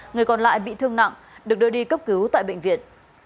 người còn lại bị thương nặng được đưa đi cấp cứu tại bệnh viện